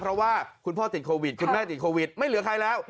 เพราะว่าคุณพ่อติดโควิดคุณแม่ติดโควิดไม่เหลือใครแล้ว